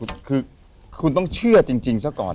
คือคุณต้องเชื่อจริงซะก่อน